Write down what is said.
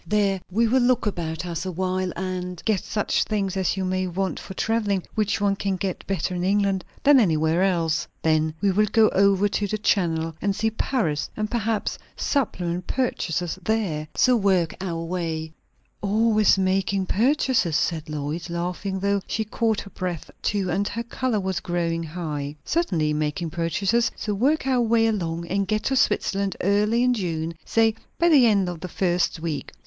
There we will look about us a while and get such things as you may want for travelling, which one can get better in England than anywhere else. Then we will go over the Channel and see Paris, and perhaps supplement purchases there. So work our way " "Always making purchases?" said Lois, laughing, though she caught her breath too, and her colour was growing high. "Certainly, making purchases. So work our way along, and get to Switzerland early in June say by the end of the first week."